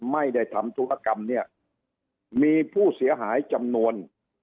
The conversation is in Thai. ไม่ได้ทำธุรกรรมเนี่ยมีผู้เสียหายจำนวน